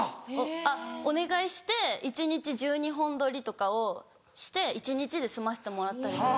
あっお願いして一日１２本撮りとかをして一日で済ませてもらったりとか。